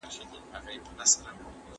ايا تاسي د پرمختګ لپاره پلان لرئ؟